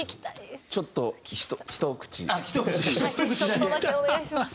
ちょっとだけお願いします。